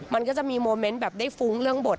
มันก็จะมีโมเมนต์แบบได้ฟุ้งเรื่องบท